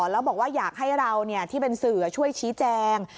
แล้วบอกว่าอยากให้เราที่เป็นสื่อช่วยชี้แจง